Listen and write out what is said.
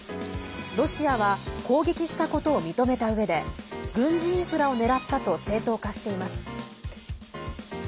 ロシアは攻撃したことを認めたうえで軍事インフラを狙ったと正当化しています。